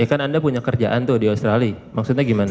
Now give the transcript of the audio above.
kan anda punya kerjaan tuh di australia maksudnya gimana